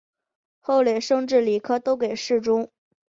后累升至礼科都给事中。